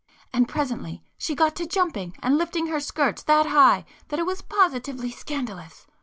And presently she got to jumping and lifting her skirts that high that it was positively scandalous!